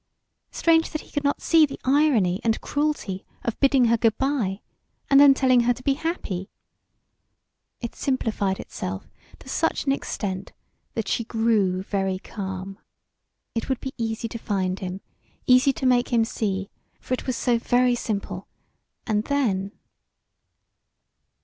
Strange that he could not see the irony and cruelty of bidding her good bye and then telling her to be happy! It simplified itself to such an extent that she grew very calm. It would be easy to find him, easy to make him see for it was so very simple and then....